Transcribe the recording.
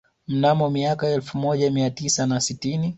Mnamo miaka ya elfu moja mia tisa na sitini